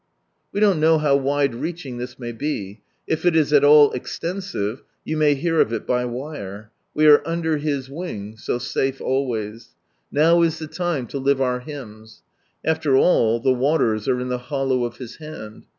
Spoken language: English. We don't know how wide reaching this may be. If it is at all extensive you Typhoon is the may hear of it by wire. We are " under His wing "— so safe always, f time 10 live our hymns. After all the waters are in the hollow of His liand.